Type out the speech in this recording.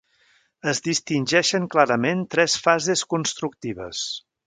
Es distingeixen clarament tres fases constructives.